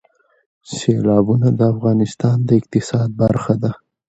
سیلابونه د افغانستان د اقتصاد برخه ده.